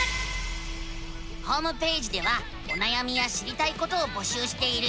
ホームページではおなやみや知りたいことを募集しているよ。